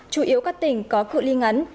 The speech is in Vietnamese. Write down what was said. chủ yếu các tỉnh có cự li ngắn